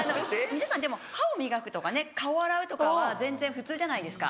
皆さんでも歯を磨くとかね顔を洗うとかは全然普通じゃないですか。